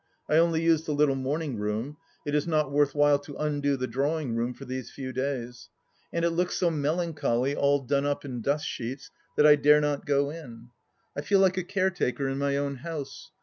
I only use the little moming room ; it is not worth while to undo the drawing room for these few days, and it looks so melancholy all done up in dust sheets that I dare not go in. I feel like a caretaker in my own house.